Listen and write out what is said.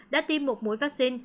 đã tiêm một mũi vaccine